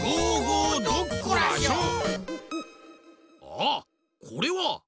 ああっこれは。